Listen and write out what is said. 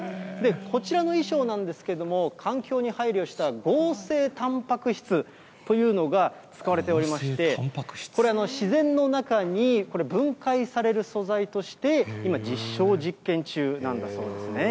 こちらの衣装なんですけれども、環境に配慮した合成たんぱく質というのが使われておりまして、これ、自然の中に分解される素材として今、実証実験中なんだそうですね。